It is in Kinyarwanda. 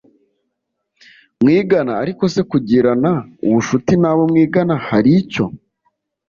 mwigana Ariko se kugirana ubucuti n abo mwigana hari icyo